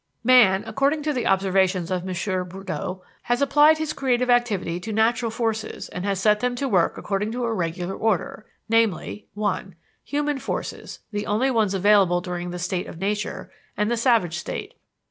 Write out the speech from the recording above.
Man, according to the observations of M. Bourdeau, has applied his creative activity to natural forces and has set them to work according to a regular order, viz.: (1) Human forces, the only ones available during the "state of nature" and the savage state.